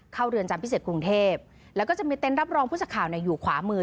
เรือนจำพิเศษกรุงเทพแล้วก็จะมีเต็นต์รับรองผู้สักข่าวอยู่ขวามือ